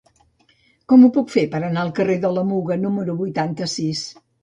Com puc anar al carrer de la Muga número vuitanta-sis?